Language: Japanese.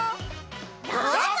どうぞ！